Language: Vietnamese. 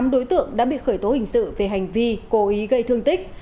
tám đối tượng đã bị khởi tố hình sự về hành vi cố ý gây thương tích